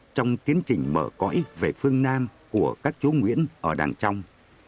trong tiến trình mở cõi về phương nam của các chú nguyễn ở đàng trong